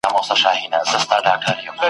چي واعظ خانه خراب وي را نصیب مي هغه ښار کې !.